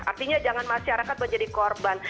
artinya jangan masyarakat menjadi korban